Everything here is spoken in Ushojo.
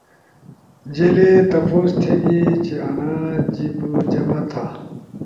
جیلی تپوس تھیگی چیانا جیِب جمع تھا۔